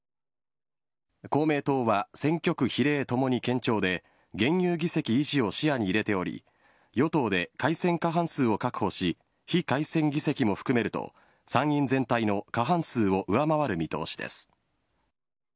公明党は選挙区、比例ともに堅調で現有議席維持を視野に入れており与党で改選過半数を確保し非改選議席も含めると参院全体の過半数を上回る見通しです。